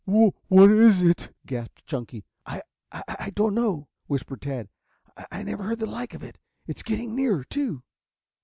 "Wha what is it?" gasped Chunky. "I I don't know," whispered Tad. "I I never heard the like of it. It is getting nearer, too."